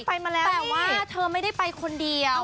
แต่ว่าเธอไม่ได้ไปคนเดียว